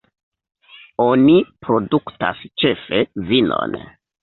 Oni produktas ĉefe vinon.